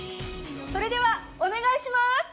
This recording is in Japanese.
それではお願いします！